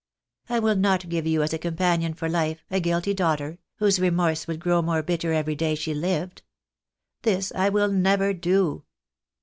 I will not give you as a companion for life, a guilty daughter, whose remorse would grow more bitter every day she lived. This I will never do.